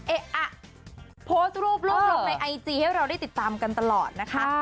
เอ๊ะอ่ะโพสต์รูปรูปลงในไอจีให้เราได้ติดตามกันตลอดนะคะ